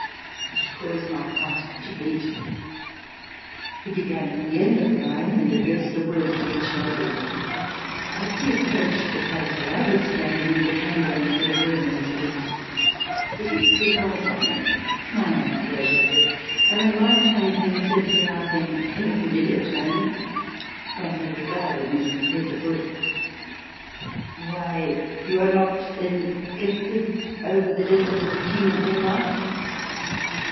which caused my heart to beat. He began at the end of the line and addressed a word to each lady. As he approached the place where I was standing, the chamberlain said a word in his ear. He fixed his eyes on me, smiling graciously, and when my turn came he said to me laughing, in a familiar tone, while he regarded me from head to foot: "Why, you are not then afflicted over the death of the King of Denmark.?"